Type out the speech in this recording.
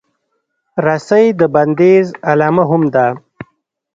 رسۍ د بندیز علامه هم ده.